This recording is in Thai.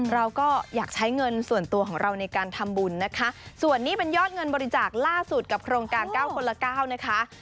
เราก็อยากใช้เงินส่วนตัวของเราในการทำบุญนะคะส่วนนี้เป็นยอดเงินบริจาคล่าสุดกับโครงการ๙คนละ๙นะคะ